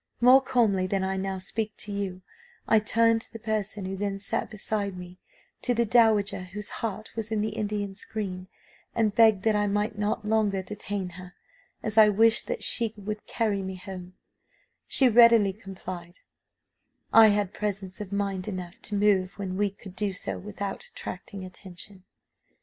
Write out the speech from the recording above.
More calmly than I now speak to you, I turned to the person who then sat beside me, to the dowager whose heart was in the Indian screen, and begged that I might not longer detain her, as I wished that she would carry me home she readily complied: I had presence of mind enough to move when we could do so without attracting attention.